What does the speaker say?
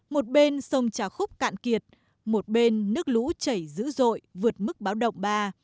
một bên sông trà khúc cạn kiệt một bên nước lũ chảy dữ dội vượt mức báo động ba